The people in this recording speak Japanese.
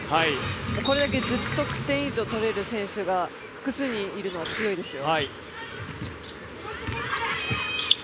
これだけ１０得点以上とれる選手が複数人いるのは強いですよ。